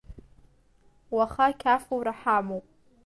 Уаха қьафура ҳамоуп.